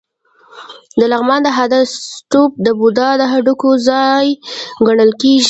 د لغمان د هده ستوپ د بودا د هډوکو ځای ګڼل کېږي